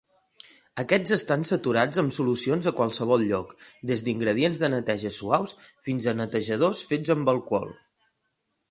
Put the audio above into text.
Aquests estan saturats amb solucions a qualsevol lloc, des d'ingredients de neteja suaus fins a "netejadors" fets amb alcohol.